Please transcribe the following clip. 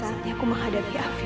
agar beliau untuk padam selaku